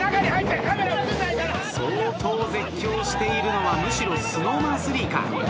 相当絶叫しているのはむしろＳｎｏｗＭａｎ３か？